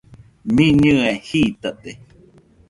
Miñɨe jitate.